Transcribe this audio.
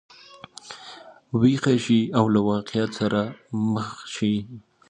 ویښه شي او له واقعیت سره مخ شي.